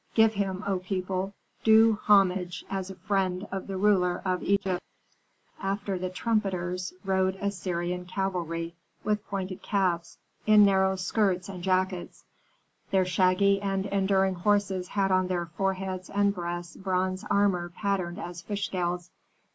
Give him, O people, due homage as a friend of the ruler of Egypt!" After the trumpeters rode Assyrian cavalry, with pointed caps, in narrow skirts and jackets. Their shaggy and enduring horses had on their foreheads and breasts bronze armor patterned as fish scales.